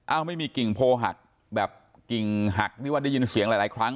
ไม่มีกิ่งโพหักแบบกิ่งหักนี่ว่าได้ยินเสียงหลายครั้ง